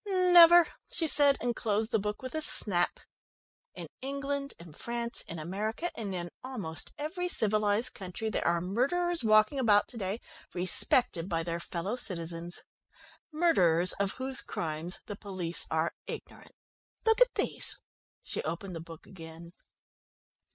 "Never," she said, and closed the book with a snap. "In England, in France, in America, and in almost every civilised country, there are murderers walking about to day, respected by their fellow citizens. Murderers, of whose crimes the police are ignorant. Look at these." She opened the book again.